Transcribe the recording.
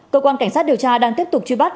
cơ quan cảnh sát điều tra đang tiếp tục truy bắt